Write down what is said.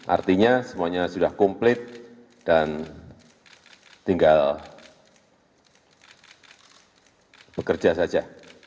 artinya semuanya sudah komplit dan tinggal bekerja saja